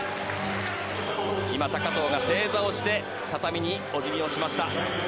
今、高藤が正座をして、畳にお辞儀をしました。